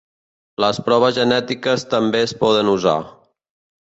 Les proves genètiques també es poden usar.